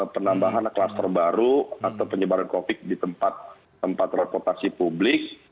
penambahan kluster baru atau penyebaran covid di tempat tempat reputasi publik